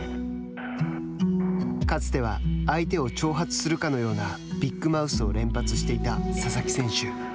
かつては相手を挑発するかのようなビッグマウスを連発していた佐々木選手。